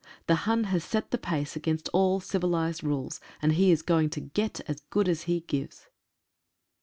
The Hun has set the pace against all civilised rules, and he is going to get as good as he gives.